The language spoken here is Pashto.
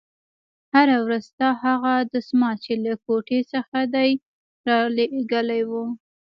هره ورځ ستا هغه دسمال چې له کوټې څخه دې رالېږلى و.